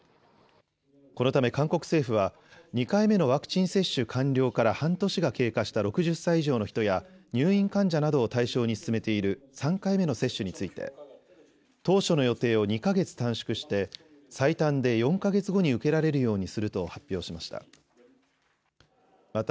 このため韓国政府は、２回目のワクチン接種完了から半年が経過した６０歳以上の人や、入院患者などを対象に進めている３回目の接種について、当初の予定を２か月短縮して、最短で４か月後に受けられるようにすると発表しました。